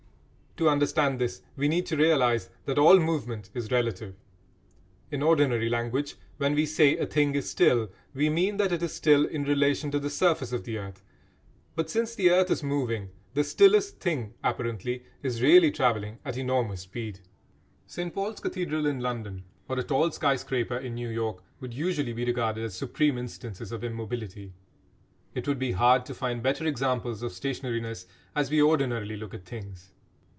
To understand this we need to realise that all movement is relative. In ordinary language, when we say a thing is still we mean that it is still in relation to the surface of the earth, but since the earth is moving the stillest thing, apparently, is really travelling at enormous speed. Saint Paul's Cathedral in London, or a tall sky scraper in New York, would usually be regarded as supreme instances of immobility. It would be hard to find better examples of stationariness, as we ordinarily look at things.